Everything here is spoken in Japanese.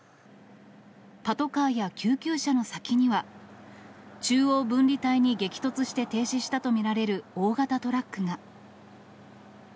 パトカーや救急車の先には、中央分離帯に激突して停止したと見られる大型トラックが。